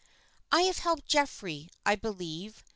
"I have helped Geoffrey, I believe.